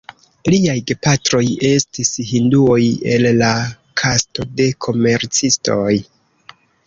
Liaj gepatroj estis hinduoj el la kasto de komercistoj.